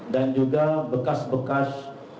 dan juga bekas bekas